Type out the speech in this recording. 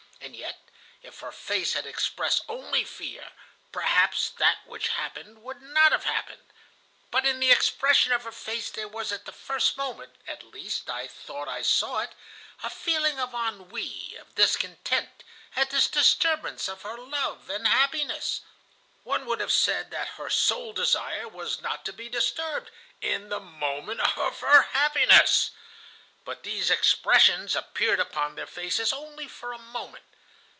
And yet, if her face had expressed only fear, perhaps that which happened would not have happened. But in the expression of her face there was at the first moment—at least, I thought I saw it—a feeling of ennui, of discontent, at this disturbance of her love and happiness. One would have said that her sole desire was not to be disturbed in the moment of her happiness. But these expressions appeared upon their faces only for a moment.